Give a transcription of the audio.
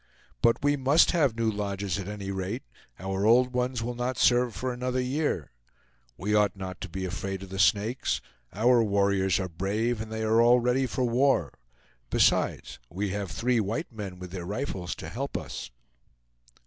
But we must have new lodges at any rate; our old ones will not serve for another year. We ought not to be afraid of the Snakes. Our warriors are brave, and they are all ready for war. Besides, we have three white men with their rifles to help us."